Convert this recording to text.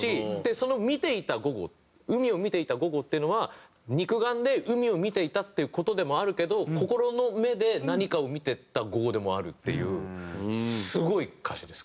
その『見ていた午後』『海を見ていた午後』っていうのは肉眼で海を見ていたっていう事でもあるけど心の目で何かを見てた午後でもあるっていうすごい歌詞です